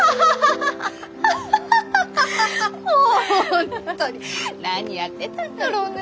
本当に何やってたんだろうね？